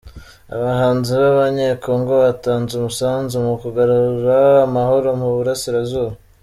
Abahanzi b’Abanyekongo batanze umusanzu mu kugarura amahoro mu Burasirazuba